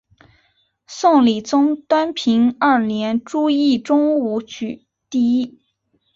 宋理宗端平二年朱熠中武举第一。